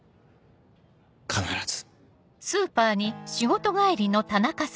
必ず。